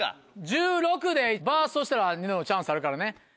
１６でバーストしたらニノのチャンスあるからね。